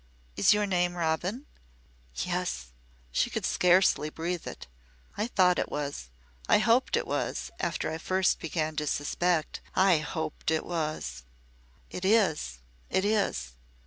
"Is your name Robin?" "Yes." She could scarcely breathe it. "I thought it was. I hoped it was after I first began to suspect. I hoped it was." "It is it is."